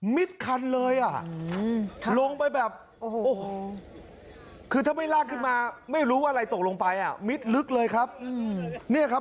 มิดคันเลยลงไปแบบคือถ้าไม่ลากขึ้นมาไม่รู้ว่าอะไรตกลงไปมิดลึกเลยครับ